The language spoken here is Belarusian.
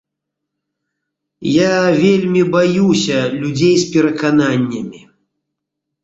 Я вельмі баюся людзей з перакананнямі.